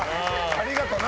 ありがとな！